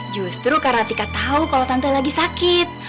justru karena tika tau kalo tante lagi sakit